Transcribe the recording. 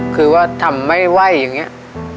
คือว่าทำไม่ไหวอย่างนี้